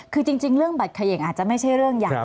คือจริงเรื่องบัตรเขย่งอาจจะไม่ใช่เรื่องใหญ่